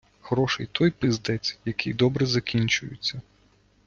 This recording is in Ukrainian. Хороший той пиздець, який добре закінчується.